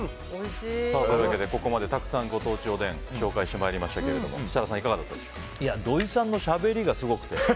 ここまでたくさんご当地おでん紹介してまいりましたが土井さんのしゃべりがすごくて。